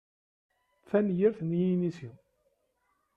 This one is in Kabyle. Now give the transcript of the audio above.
Tanyirt n yinisi.